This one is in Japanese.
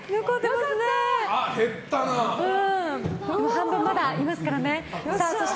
半分、まだいますからね。